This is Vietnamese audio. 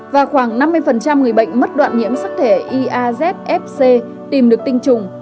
và khoảng năm mươi người bệnh mất đoạn nhiễm sắc thể iazfc tìm được tinh trùng